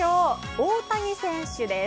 大谷選手です。